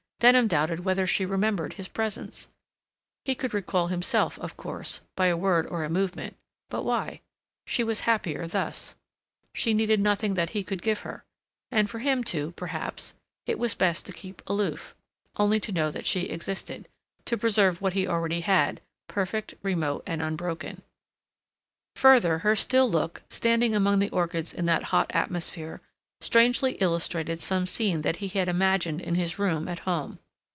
Denham doubted whether she remembered his presence. He could recall himself, of course, by a word or a movement—but why? She was happier thus. She needed nothing that he could give her. And for him, too, perhaps, it was best to keep aloof, only to know that she existed, to preserve what he already had—perfect, remote, and unbroken. Further, her still look, standing among the orchids in that hot atmosphere, strangely illustrated some scene that he had imagined in his room at home.